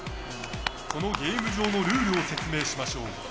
このゲーム場のルールを説明しましょう。